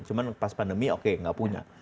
cuma pas pandemi oke gak punya